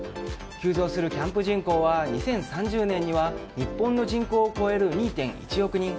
急増するキャンプ人口は２０３０年には日本の人口を超える２．１億人。